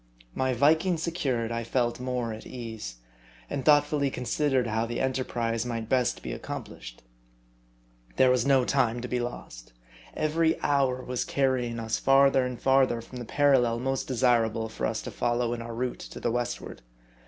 My Viking secured, I felt more at ease ; and thoughtfully considered how the enterprise might best be accomplished. There was no time to be lost. Every hour was carrying us farther and farther from the parallel most desirable for us to follow in our route to the westward.